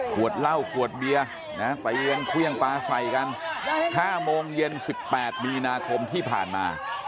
ขวดเหล้าขวดเบียร์นะฮะไปเลี้ยงเครื่องปลาใส่กันห้าโมงเย็นสิบแปดมีนาคมที่ผ่านมา